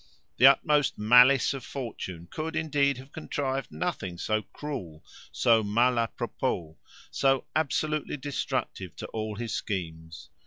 The utmost malice of Fortune could, indeed, have contrived nothing so cruel, so mal a propos, so absolutely destructive to all his schemes.